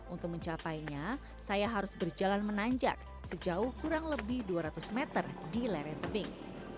untuk mencapainya saya harus berjalan menanjak sejauh kurang lebih dua ratus meter di lereng tebing